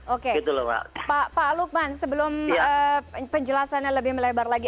oke pak lukman sebelum penjelasannya lebih melebar lagi